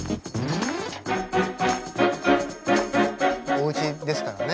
おうちですからね。